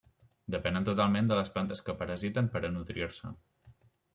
Depenen totalment de les plantes que parasiten per a nodrir-se.